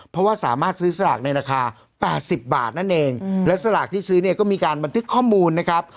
เพราะว่าสามารถซื้อสลากในราคา๘๐บาทนั่นเองและสลากที่ซื้อเนี่ยก็มีการบันทึกข้อมูลนะครับ